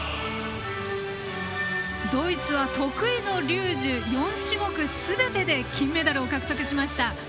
ドイツは得意のリュージュ４種目すべてで金メダルを獲得しました。